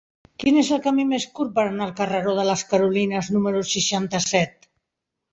Quin és el camí més curt per anar al carreró de les Carolines número seixanta-set?